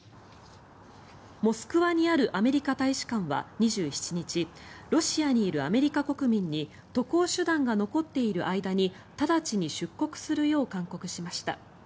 モスクワにあるアメリカ大使館は２７日ロシアにいるアメリカ国民に渡航手段が残っている間に直ちに出国するよう勧告しました。